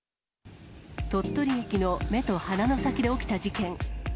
鳥取駅の目と鼻の先で起きた事件。